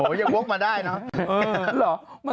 โอ้ยิ่งโว้งมาได้เนาะ